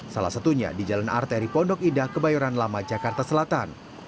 salah satunya di jalan arteri pondok indah kebayoran lama jakarta selatan